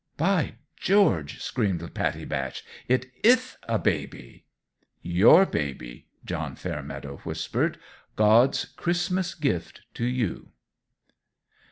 "By George!" screamed Pattie Batch; "it ith a baby!" "Your baby," John Fairmeadow whispered. "God's Christmas gift to you."